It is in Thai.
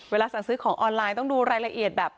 สั่งซื้อของออนไลน์ต้องดูรายละเอียดแบบ